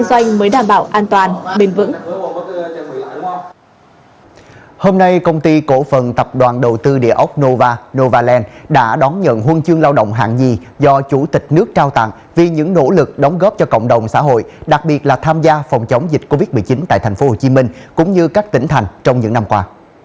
hôm nay công ty cổ phần tập đoàn đầu tư địa ốc nova novaland đã đón nhận huân chương lao động hạng dì do chủ tịch nước trao tặng vì những nỗ lực đóng góp cho cộng đồng xã hội đặc biệt là tham gia phòng chống dịch covid một mươi chín tại tp hcm cũng như các tỉnh thành trong những năm qua